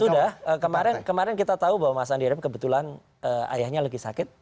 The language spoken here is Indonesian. sudah kemarin kita tahu bahwa mas andi arief kebetulan ayahnya lagi sakit